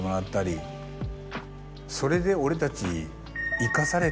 「それで俺たち」。